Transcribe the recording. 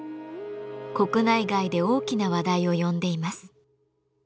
国内外で大きな話題を呼んでいます。